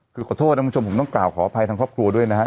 คือขอโทษนะคุณผู้ชมผมต้องกล่าวขออภัยทางครอบครัวด้วยนะครับ